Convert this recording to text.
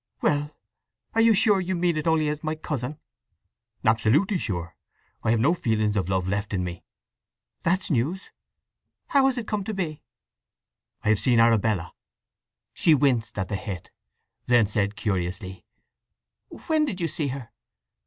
"Well—are you sure you mean it only as my cousin?" "Absolutely sure. I have no feelings of love left in me." "That's news. How has it come to be?" "I've seen Arabella." She winced at the hit; then said curiously, "When did you see her?"